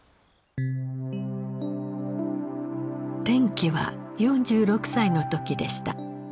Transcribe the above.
転機は４６歳の時でした。